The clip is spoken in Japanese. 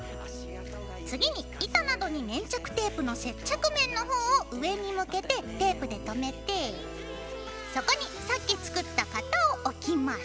次に板などに粘着テープの接着面のほうを上に向けてテープで留めてそこにさっき作った型を置きます。